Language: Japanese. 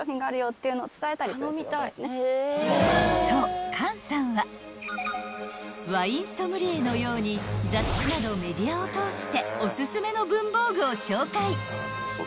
［そう菅さんはワインソムリエのように雑誌などメディアを通しておすすめの文房具を紹介］